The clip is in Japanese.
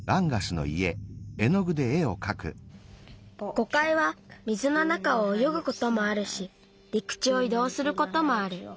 ゴカイは水の中をおよぐこともあるしりくちをいどうすることもある。